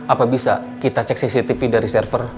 apa bisa kita cek cctv dari server